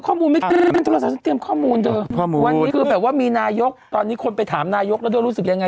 วันนี้แบบว่ามีนายกตอนนี้คนไปถามนายกแล้วรู้สึกยังไง